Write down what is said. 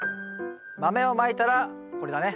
豆をまいたらこれだね。